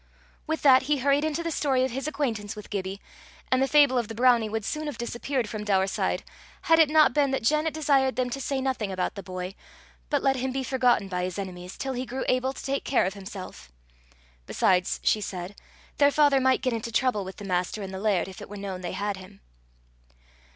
With that he hurried into the story of his acquaintance with Gibbie; and the fable of the brownie would soon have disappeared from Daurside, had it not been that Janet desired them to say nothing about the boy, but let him be forgotten by his enemies, till he grew able to take care of himself. Besides, she said, their father might get into trouble with the master and the laird, if it were known they had him.